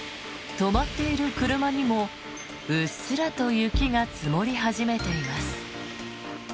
止まっている車にもうっすらと雪が積もり始めています。